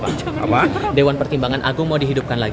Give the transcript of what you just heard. f kata idé yang tertera juga bekerja semula